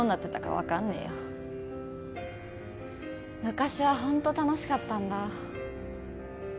昔はホント楽しかったんだ。